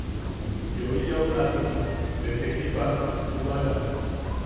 Yoi yaʼuratamak ne tekipanoak chubala.